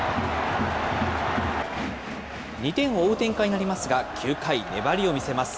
２点を追う展開になりますが、９回、粘りを見せます。